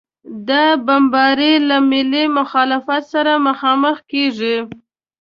دا بمبارۍ له ملي مخالفت سره مخامخ کېږي.